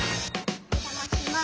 お邪魔します。